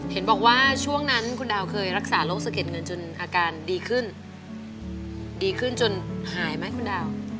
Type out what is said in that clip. เห็นบอกว่าช่วงนั้นคุณดาวเคยรักษาโรคสะเก็ดเงินจนอาการดีขึ้นดีขึ้นจนหายไหมคุณดาว